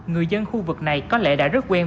người dân khu vực này có lẽ đã rất quen